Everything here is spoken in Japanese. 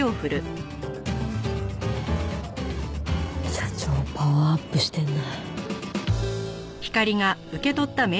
社長パワーアップしてるな。